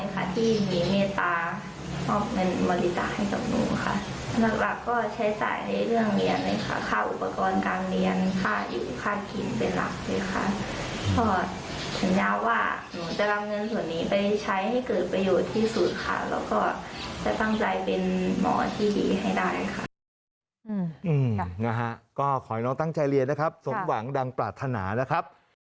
ก็ขอให้น้องตั้งใจเรียนนะครับสมหวังดังปรารถนานะครับ